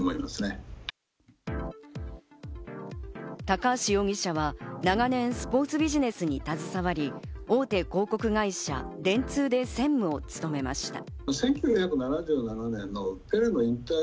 高橋容疑者は長年スポーツビジネスに携わり、大手広告会社・電通で専務を務めました。